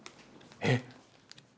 えっ？